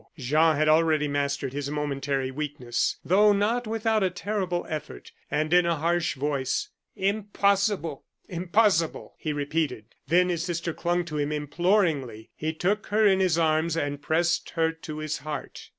Jean had already mastered his momentary weakness, though not without a terrible effort; and in a harsh voice: "Impossible! impossible!" he repeated. Then, as his sister clung to him imploringly, he took her in his arms and pressed her to his heart.